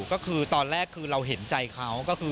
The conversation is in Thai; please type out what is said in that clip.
ก็คือตอนแรกคือเราเห็นใจเขาก็คือ